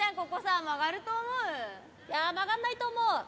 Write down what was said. ここ、曲がると思う？